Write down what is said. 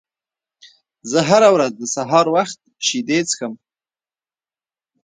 زه هره ورځ د سهار وخت شیدې څښم.